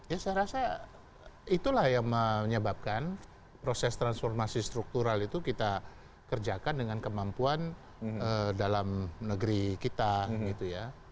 ya saya rasa itulah yang menyebabkan proses transformasi struktural itu kita kerjakan dengan kemampuan dalam negeri kita gitu ya